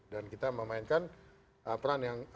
dan kita memainkan peran yang